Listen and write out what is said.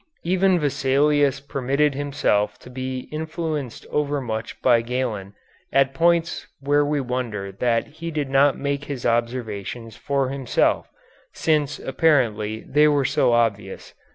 Even Vesalius permitted himself to be influenced overmuch by Galen at points where we wonder that he did not make his observations for himself, since, apparently, they were so obvious.